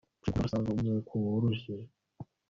ushaka umushaka asanga umweko woroshye